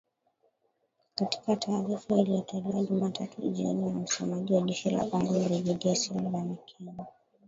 Katika taarifa iliyotolewa Jumatatu jioni na msemaji wa jeshi la CONGO Brigedia Sylvain Ekenge